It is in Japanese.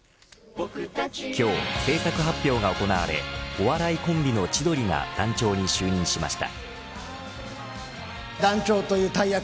今日、制作発表が行われお笑いコンビの千鳥が団長に就任しました。